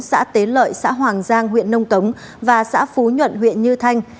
xã tế lợi xã hoàng giang huyện nông cống và xã phú nhuận huyện như thanh